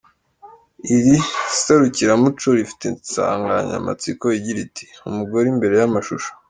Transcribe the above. Iri serukiramuco rifite nsanganyamatsiko igira iti, “Umugore imbere y’amashusho.